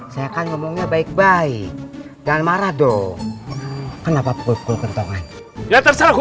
saya kan ngomongnya baik baik dan marah dong kenapa pukul kentongan ya terserah